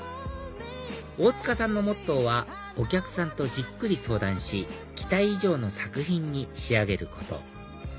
大塚さんのモットーはお客さんとじっくり相談し期待以上の作品に仕上げること